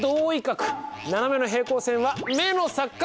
斜めの平行線は目の錯覚。